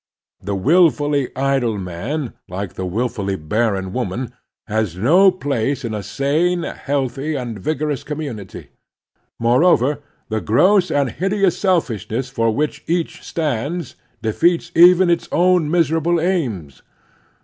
The wilfully idle man, like the wilfully barren woman, has no place in a sane, healthy, and vigorous community. Moreover, the gross and hideous selfishness for which each stands defeats even its own miserable aims.